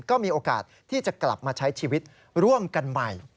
ก็มีโอกาสที่จะกลับมาใช้ชีวิตร่วมกันใหม่